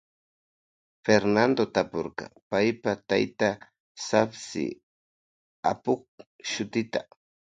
Fernando tapurka paypa taytata sapsi apukpa shutita.